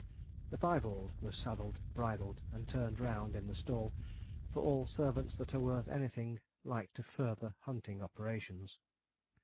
The piebald was saddled, bridled, and turned round in the stall; for all servants that are worth anything like to further hunting operations.